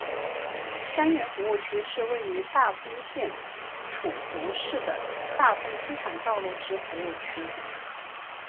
相原服务区是位于大分县杵筑市的大分机场道路之服务区。